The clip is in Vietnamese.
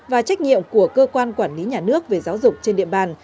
và trách nhiệm của cơ quan quản lý nhà nước về giáo dục trên địa bàn